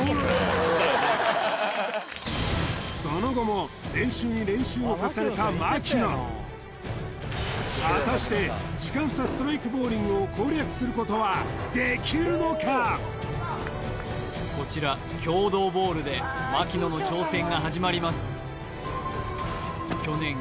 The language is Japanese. っつってその後も練習に練習を重ねた槙野果たして時間差ストライクボウリングを攻略することはできるのかこちら経堂ボウルで槙野の挑戦が始まります